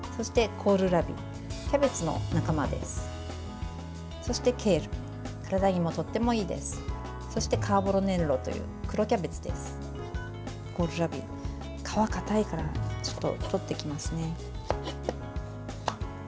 コールラビ、皮かたいからちょっと取っていきますね。